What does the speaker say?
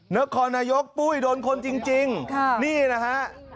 นครนายกปุ้ยโดนคนจริงนี่นะฮะ